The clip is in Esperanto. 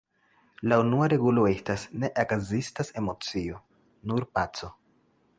La unua regulo estas: "Ne ekzistas emocio; nur paco".